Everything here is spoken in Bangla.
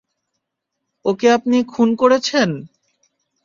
ওকে আপনি খুন করেছেন?